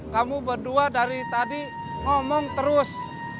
kamu berdua dari tadi ngomong terus